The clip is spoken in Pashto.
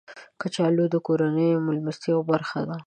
کچالو د کورنیو میلمستیاو برخه ده